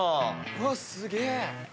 うわっすげえ。